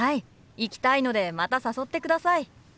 行きたいのでまた誘ってください。